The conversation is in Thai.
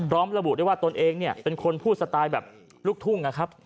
ร้อมระบุได้ว่าตนเองเป็นคนพูดสไตล์แบบลูกทุ่ง